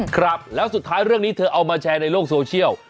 ครับแล้วสุดท้ายเรื่องนี้เธอเอามาแชร์ในโลกโซเชียล